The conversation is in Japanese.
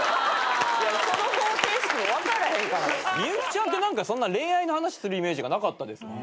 幸ちゃんってそんな恋愛の話するイメージがなかったです。